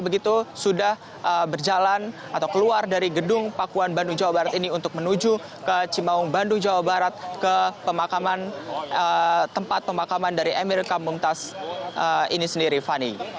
jadi itu sudah berjalan atau keluar dari gedung pakuan bandung jawa barat ini untuk menuju ke cimawung bandung jawa barat ke tempat pemakaman dari amerika mungtaz ini sendiri fani